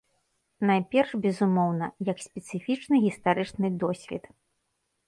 Найперш, безумоўна, як спецыфічны гістарычны досвед.